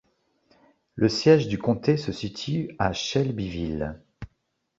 Le siège du comté se situe à Shelbyville.